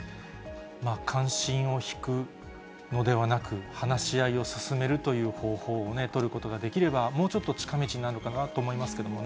関心を引くのではなく、話し合いを進めるという方法を取ることができれば、もうちょっと近道になるのかなと思いますけどね。